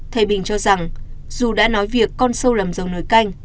thầy bình cho rằng dù đã nói việc con sâu lầm dầu nổi canh